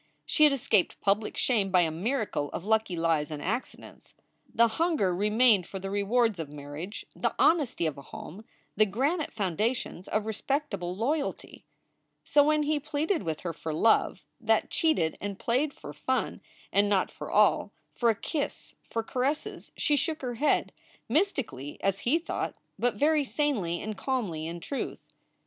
She had escaped public shame by a miracle of lucky lies and accidents. The hunger remained for the rewards of marriage, the hon esty of a home, the granite foundations of respectable loyalty. So when he pleaded with her for love that cheated and played for fun and not for all, for a kiss, for caresses, she shook her head mystically as he thought, but very sanely and calmly, in truth.